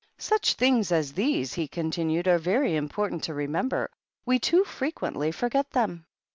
9 Such things as these," he continued, "are very important to remember ; we too frequently forget them."